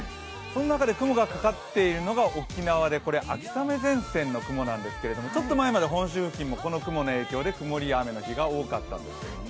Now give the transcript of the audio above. そんな中で雲がかかっているのは沖縄で、秋雨前線の雲なんですけどちょっと前まで本州付近もこの雲の影響で雨や曇りだったんです。